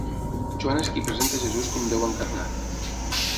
Joan és qui presenta Jesús com Déu encarnat.